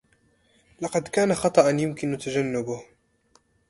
لقد كان خطأً يمكن تجنّبه.